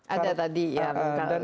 ada tadi ya